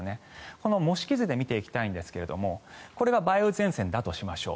この模式図で見ていきたいんですがこれが梅雨前線だとしましょう。